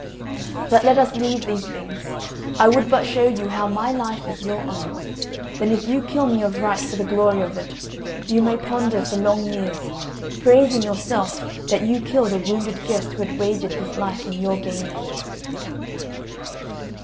"But let us leave these things. I would but show you how my life is your own. Then if you kill me of right for the glory of it, you may ponder for long years, praising yourself that you killed a wounded guest who had wagered his life in your gaining."